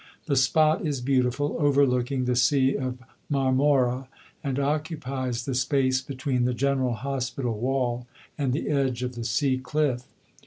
The spot is beautiful, overlooking the Sea of Marmora, and occupies the space between the General Hospital wall and the edge of the sea cliff."